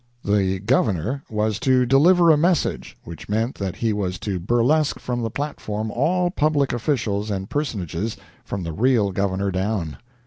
The "governor" was to deliver a message, which meant that he was to burlesque from the platform all public officials and personages, from the real governor down.